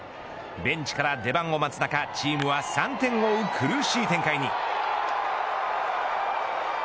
ベンチから出番を待つ中チームは３点を追う苦しい展開に。